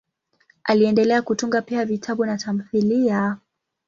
Aliendelea kutunga pia vitabu na tamthiliya.